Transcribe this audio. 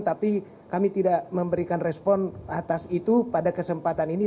tapi kami tidak memberikan respon atas itu pada kesempatan ini